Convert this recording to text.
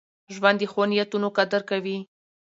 ژوند د ښو نیتونو قدر کوي.